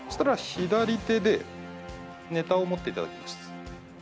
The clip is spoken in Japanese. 左手でネタを持っていただきます。